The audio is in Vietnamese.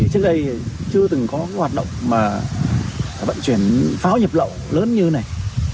trước đây chưa từng có hoạt động vận chuyển pháo nhập lậu lớn như thế này